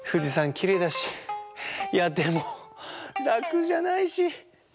きれいだしいやでもらくじゃないし。